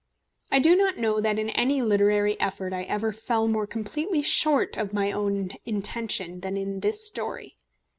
I do not know that in any literary effort I ever fell more completely short of my own intention than in this story.